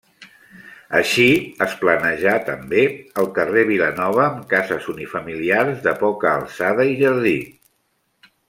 Així es planejà, també, el carrer Vilanova amb cases unifamiliars de poca alçada i jardí.